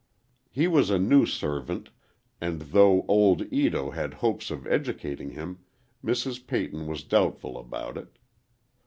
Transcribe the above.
He was a new servant, and though old Ito had hopes of educating him, Mrs. Peyton was doubtful about it.